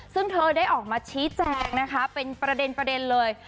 ซึ่งเธอได้ออกมาชี้แจงนะคะเป็นประเด็นเลย